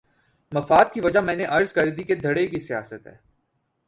مفاد کی وجہ میں نے عرض کر دی کہ دھڑے کی سیاست ہے۔